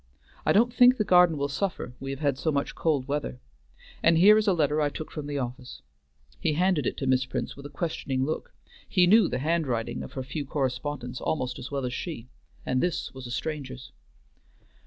I don't think the garden will suffer, we have had so much cold weather. And here is a letter I took from the office." He handed it to Miss Prince with a questioning look; he knew the handwriting of her few correspondents almost as well as she, and this was a stranger's.